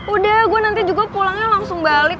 udah gue nanti juga pulangnya langsung balik